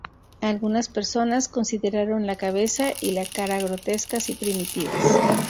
Algunas personas consideraron la cabeza y la cara grotescas y primitivas.